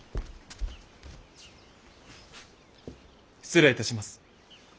失礼いたします。